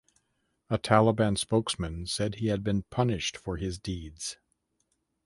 A Taliban spokesman said he had been "punished for his deeds".